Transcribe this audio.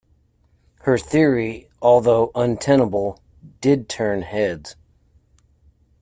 Her theory, although untenable, did turn heads.